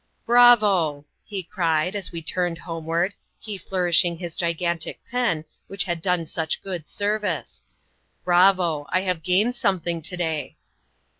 "Bravo!" he cried, as we turned homeward, he flourishing his gigantic pen, which had done such good service; "bravo! I have gained something to day!"